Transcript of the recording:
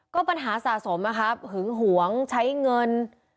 ก็ปัญหาสะสมนะครับหึงหวงใช้เงิน